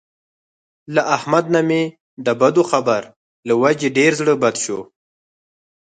له احمد نه مې د بدو خبر له وجې ډېر زړه بد شوی.